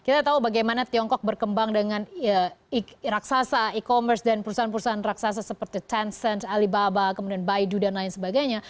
kita tahu bagaimana tiongkok berkembang dengan raksasa e commerce dan perusahaan perusahaan raksasa seperti tencent alibaba kemudian baidu dan lain sebagainya